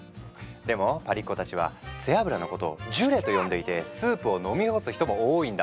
でもパリっ子たちは背脂のことを「ジュレ」と呼んでいてスープを飲み干す人も多いんだって。